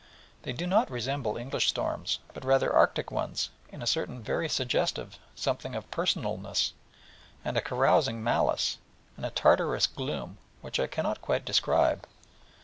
And they do not resemble English storms, but rather Arctic ones, in a certain very suggestive something of personalness, and a carousing malice, and a Tartarus gloom, which I cannot quite describe.